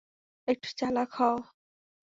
একটু চালাক হও!